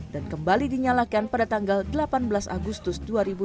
dan kembali dinyalakan pada tanggal delapan belas agustus dua ribu dua puluh tiga